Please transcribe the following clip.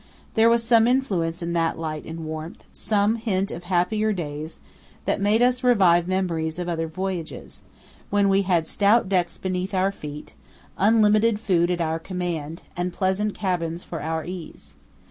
There was some influence in the light and warmth, some hint of happier days, that made us revive memories of other voyages, when we had stout decks beneath our feet, unlimited food at our command, and pleasant cabins for our ease.